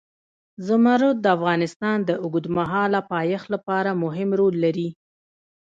زمرد د افغانستان د اوږدمهاله پایښت لپاره مهم رول لري.